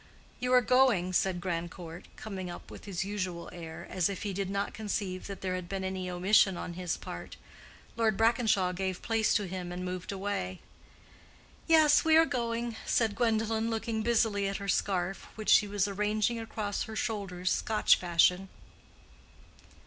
"You are going?" said Grandcourt, coming up with his usual air, as if he did not conceive that there had been any omission on his part. Lord Brackenshaw gave place to him and moved away. "Yes, we are going," said Gwendolen, looking busily at her scarf, which she was arranging across her shoulders Scotch fashion.